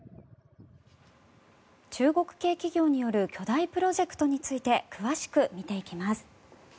中国系企業による巨大プロジェクトについて詳しく見ていきます。